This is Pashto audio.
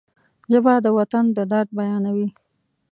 ژبه د وطن د درد بیانوي